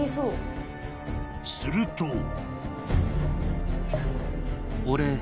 ［すると］